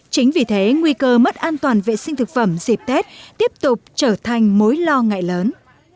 chính vì thế nguy cơ mất an toàn vệ sinh thực phẩm dịp tết tiếp tục trở thành mối lo ngại lớn